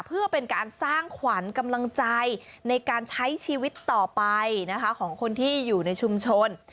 เพื่อเป็นการสร้างขวัญกำลังใจในการใช้ชีวิตต่อไปนะคะของคนที่อยู่ในชุมชน